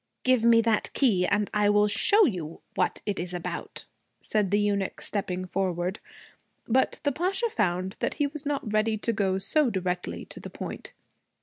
'Give me that key and I will show you what it is about,' said the eunuch, stepping forward. But the Pasha found that he was not ready to go so directly to the point.